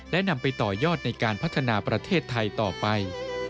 และนำไปต่อยอดในการพัฒนาประเทศไทยต่อไป